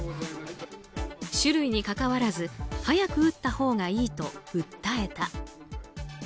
種類にかかわらず早く打ったほうがいいと訴えた。